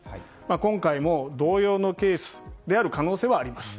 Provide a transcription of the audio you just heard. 今回も同様のケースである可能性はあります。